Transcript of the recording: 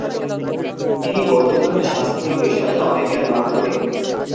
তিনি বৌদ্ধধর্মের শাস্ত্রীয় বিষয়ে অনেক জ্ঞান লাভ করেন।